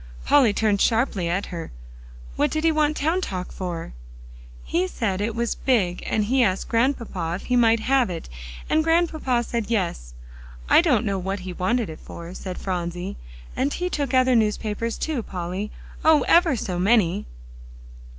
Polly turned sharply at her. "What did he want Town Talk for?" "He said it was big, and he asked Grandpapa if he might have it, and Grandpapa said, Yes. I don't know what he wanted it for," said Phronsie. "And he took other newspapers, too, Polly; oh! ever so many."